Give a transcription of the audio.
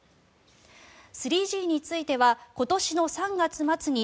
３Ｇについては今年の３月末に